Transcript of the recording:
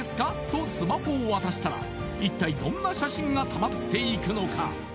とスマホを渡したら一体どんな写真がたまっていくのか？